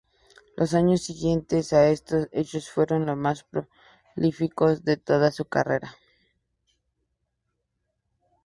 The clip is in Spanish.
Los años siguientes a estos hechos fueron los más prolíficos de toda su carrera.